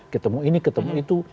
ketemu ini ketemu itu